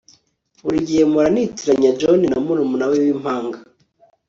buri gihe mpora nitiranya john na murumuna we w'impanga